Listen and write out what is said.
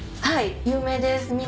はい有名です。